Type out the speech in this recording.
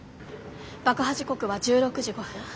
爆破時刻は１６時５分。